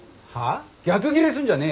逆ギレすんじゃねえよ。